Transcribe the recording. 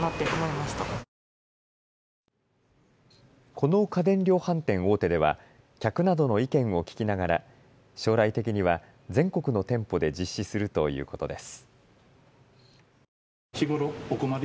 この家電量販店大手では客などの意見を聞きながら将来的には全国の店舗で実施するということです。